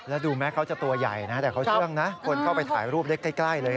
และดูแม้จะตัวใหญ่แต่ช่วงคนเข้าไปถ่ายรูปใกล้เลย